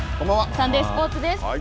サンデースポーツです。